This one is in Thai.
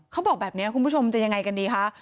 เขาบอกแบบนี้คุณผู้ชมจะยังไงกันดีคะ